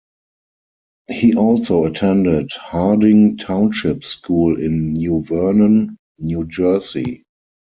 He also attended Harding Township School in New Vernon, New Jersey.